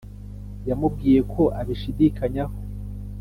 yamubwiye ko abishidikanyaho